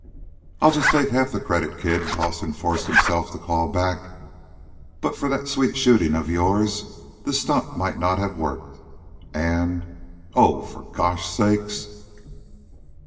"I'll just take half the credit, kid!" Dawson forced himself to call back. "But for that sweet shooting of yours the stunt might not have worked. And Oh, for gosh sakes!"